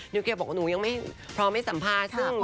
นิวเคลียร์บอกว่าหนูยังพร้อมให้สัมภาษณ์